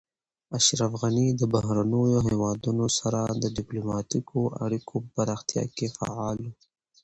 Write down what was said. اشرف غني د بهرنیو هیوادونو سره د ډیپلوماتیکو اړیکو په پراختیا کې فعال و.